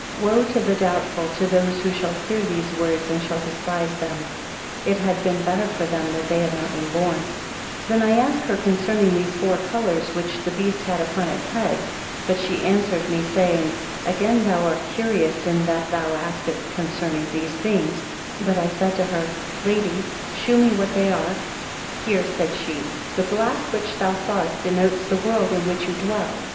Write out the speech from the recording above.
22 Woe to the doubtful, to those who shall hear these words, and shall despise them: it had been better for them that they had not been born. 23 Then I asked her concerning the four colours which the beast had upon its head. But she answered me saying; Again thou art curious in that thou asketh concerning these things. But I said to her, Lady, chew me what they are? 24 Hear, said she; The black which thou sawest denotes the world in which you dwell.